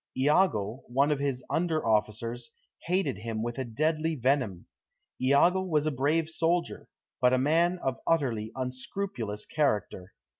Iago, one of his under officers, hated him with a deadly venom. Iago was a brave soldier, but a man of utterly unscrupulous character.